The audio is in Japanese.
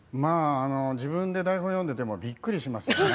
自分で台本読んでいてもびっくりしますよね。